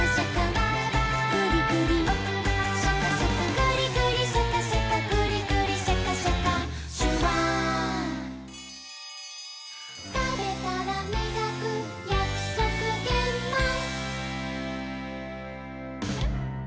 「グリグリシャカシャカグリグリシャカシャカ」「シュワー」「たべたらみがくやくそくげんまん」